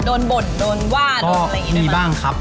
โดนบ่นโดนว่าโดนเหละได้ไหมครับก็มีบ้างครับ